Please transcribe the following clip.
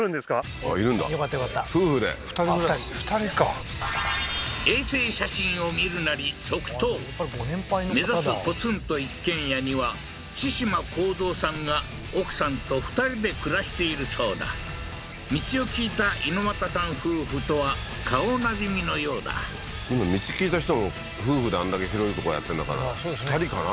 あっいるんだよかったよかった夫婦で２人暮らし２人か衛星写真を見るなり即答目指すポツンと一軒家にはチシマコウゾウさんが奥さんと２人で暮らしているそうだ道を聞いた猪俣さん夫婦とは顔馴染みのようだ今道聞いた人夫婦であんだけ広いとこやってんだから２人かな？